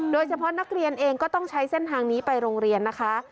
โดยเฉพาะนักเรียนเองก็ต้องใช้เส้นทางนี้ไปโรงเรียนนะคะ